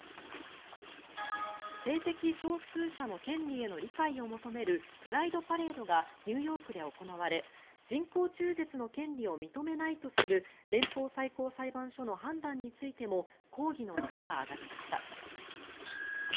性的少数者の権利への理解を求めるプライドパレードがニューヨークで行われ人工中絶の権利を認めないとする連邦最高裁判所の判断についても抗議の声が上がりました。